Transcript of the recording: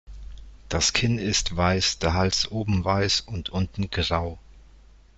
Das Kinn ist weiß, der Hals oben weiß und unten grau.